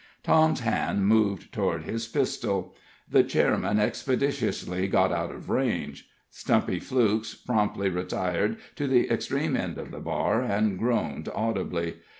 Tom's hand moved toward his pistol. The chairman expeditiously got out of range. Stumpy Flukes promptly retired to the extreme end of the bar, and groaned audibly.